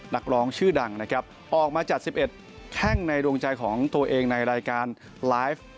นักร้องชื่อดังนะครับออกมาจัด๑๑แข้งในดวงใจของตัวเองในรายการไลฟ์